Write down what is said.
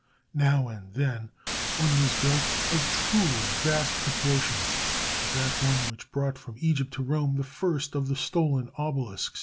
Now and then one was built of truly vast proportions, as that one which brought from Egypt to Rome the first of the stolen obelisks.